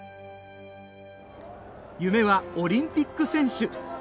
夢はオリンピック選手。